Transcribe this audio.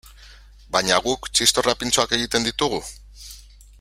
Baina guk txistorra pintxoak egiten ditugu?